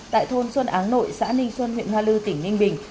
tại thôn xuân áng nội xã ninh xuân huyện hoa lư tỉnh ninh bình